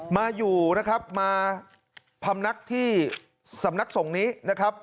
มาอยู่นะครับมาพำนักที่สำนักสงฆ์นี้นะครับ